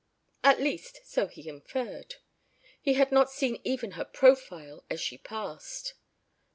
At least so he inferred. He had not seen even her profile as she passed.